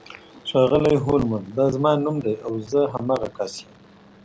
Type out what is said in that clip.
ښاغلی هولمز دا زما نوم دی او زه همغه کس یم